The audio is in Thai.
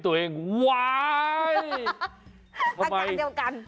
ทั้งกาลเดียวกัน